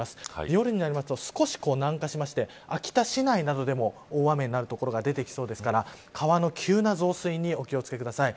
夜になると、少し南下して秋田市内でも大雨になる所が出てきそうですから川の急な増水にお気を付けください。